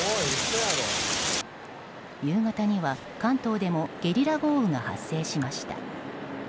夕方には関東でもゲリラ豪雨が発生しました。